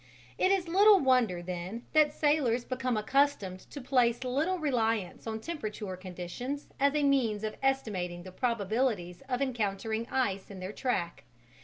It is little wonder then that sailors become accustomed to place little reliance on temperature conditions as a means of estimating the probabilities of encountering ice in their track.